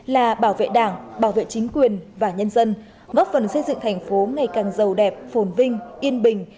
là bảo vệ đảng bảo vệ chính quyền và nhân dân góp phần xây dựng thành phố ngày càng giàu đẹp phồn vinh yên bình